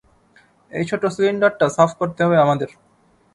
এই ছোট্ট সিলিন্ডারটা সাফ করতে হবে আমাদের।